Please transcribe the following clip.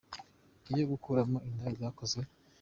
iyo gukuramo inda byakozwe